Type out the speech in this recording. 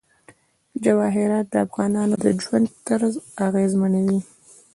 جواهرات د افغانانو د ژوند طرز اغېزمنوي.